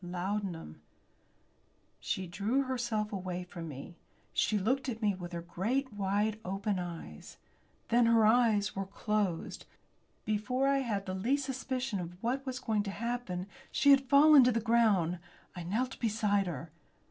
"Laudanum!" She drew herself away from me. She looked at me with her great wide open eyes. Then her eyes were closed. Before I had the least suspicion of what was going to happen she had fallen to the ground. I knelt beside her.